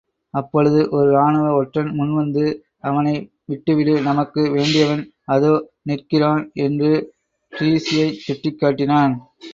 அப்பொழுது ஒரு ராணுவ ஒற்றன் முன்வந்து, அவனை விட்டுவிடு நமக்கு வேண்டியவன்.அதோ நிற்கிறான் என்று டிரீஸியைச் சுட்டிக்காட்டினான்.